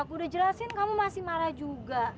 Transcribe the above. aku udah jelasin kamu masih marah juga